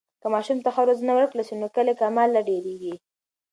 که ماشوم ته ښه روزنه ورکړل سي، نو کلی کمال لا ډېرېږي.